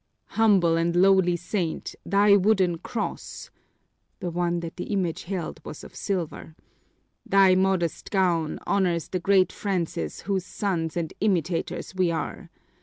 "Humble and lowly saint, thy wooden cross" (the one that the image held was of silver), "thy modest gown, honors the great Francis whose sons and imitators we are.